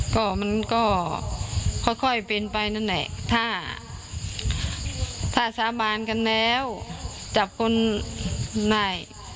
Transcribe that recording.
ก็มันก็ค่อยเป็นไปนั่นแหละถ้าถ้าสาบานกันแล้วจับคนได้